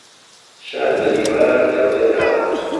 شار بە دیوار دەورە دراوە.